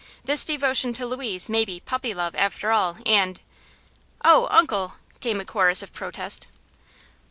This devotion to Louise may be 'puppy love,' after all, and " "Oh, Uncle!" came a chorus of protest.